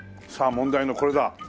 さあ問題のこれだ。